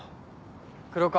黒川